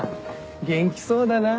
元気そうだな。